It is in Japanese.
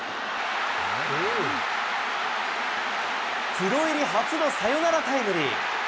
プロ入り初のサヨナラタイムリー。